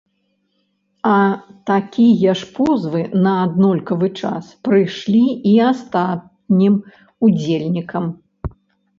А такія ж позвы на аднолькавы час прыйшлі і астатнім ўдзельнікам.